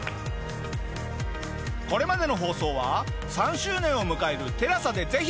これまでの放送は３周年を迎えるＴＥＬＡＳＡでぜひ！